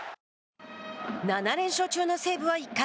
７連勝中の西武は１回。